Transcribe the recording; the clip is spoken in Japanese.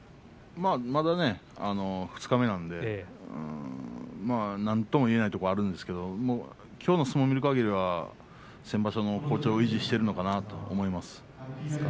まあまだね、二日目なんでなんとも言えないところはあるんですけれどもきょうの相撲を見るかぎりは先場所の好調を維持しているのかなと思います。